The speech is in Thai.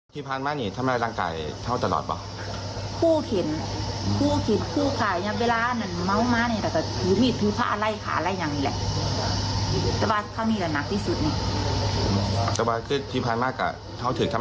กับคนอื่นทำได้ป่ะลูกเต่า